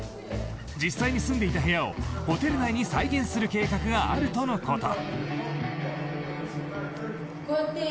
実際に住んでいた部屋をホテル内に再現する計画があるとのこと。